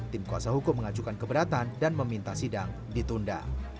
tim kuasa hukum mengajukan keberatan dan meminta sidang ditunda